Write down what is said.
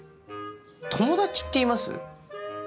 友達っています？